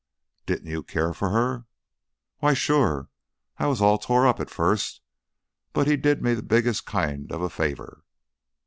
"Didn't you care for her?" "Why, sure. I was all tore up, at first. But he did me the biggest kind of a favor."